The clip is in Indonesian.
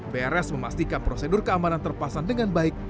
brs memastikan prosedur keamanan terpasang dengan baik